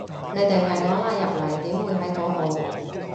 你哋係我拉入嚟，點會喺嗰度